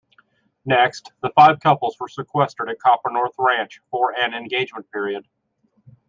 Next, the five couples were sequestered at Copper North Ranch for an engagement period.